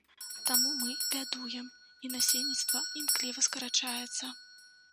Таму мы бядуем і насельніцтва імкліва скарачаецца.